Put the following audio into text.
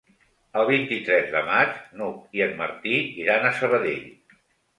El vint-i-tres de maig n'Hug i en Martí iran a Sabadell.